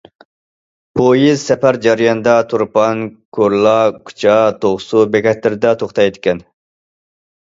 پويىز سەپەر جەريانىدا تۇرپان، كورلا، كۇچا، توقسۇ بېكەتلىرىدە توختايدىكەن.